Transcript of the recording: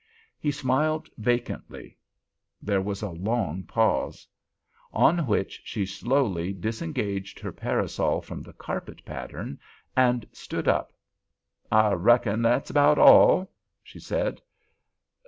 He smiled vacantly. There was a long pause. On which she slowly disengaged her parasol from the carpet pattern and stood up. "I reckon that's about all," she said.